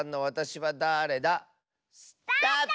スタート！